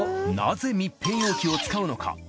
なぜ密閉容器を使うのか？